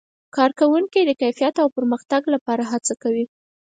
کارکوونکي د کیفیت او پرمختګ لپاره هڅه کوي.